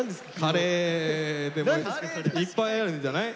カレーいっぱいあるんじゃない？